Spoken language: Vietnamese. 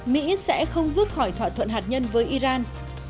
mỹ sẽ không rút khỏi thỏa thuận hạt nhân với iran